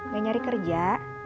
gak nyari kerja